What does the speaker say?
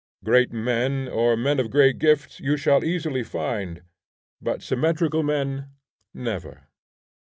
Great men or men of great gifts you shall easily find, but symmetrical men never.